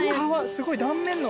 すごい断面の。